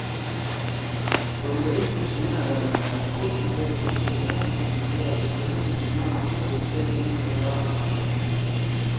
بمبئی سی گھین عدالت )ہائی کورٹ( سی اے وکیل جناح سی کُل سی آشُو بنَدُو جناح آمن زید چیر گن غَرا آشُو